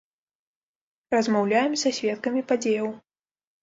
Размаўляем са сведкамі падзеяў.